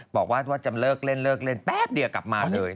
บอกว่าจะเลิกเล่นแป๊บเดี๋ยวกลับมาเลย